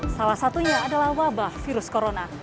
salah satunya adalah wabah virus corona